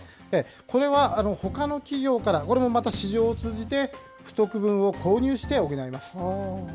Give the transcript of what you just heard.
これはほかの企業から、これもまた市場を通じて、不足分を購入して補います。